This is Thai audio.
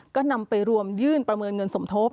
ก็นำไปรวมยื่นประเมินเงินสมทบ